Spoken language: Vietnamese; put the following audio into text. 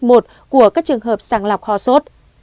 của các trường hợp sàng lọc kho sốt